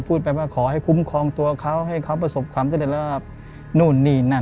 พูดไปว่าขอให้คุ้มครองตัวเขาให้เขาประสบความสำเร็จระดับนู่นนี่นั่น